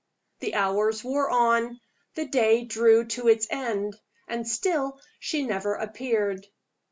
The hours wore on; the day drew to its end and still she never appeared.